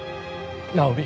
直美